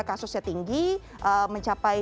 kasusnya tinggi mencapai